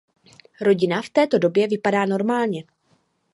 Rodina v této době vypadá normálně.